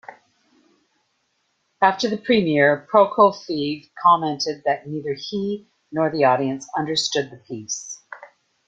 After the premiere, Prokofiev commented that neither he nor the audience understood the piece.